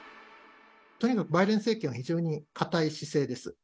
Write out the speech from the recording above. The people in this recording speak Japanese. とにかくバイデン政権は非常に硬い姿勢です。